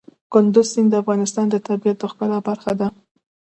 کندز سیند د افغانستان د طبیعت د ښکلا برخه ده.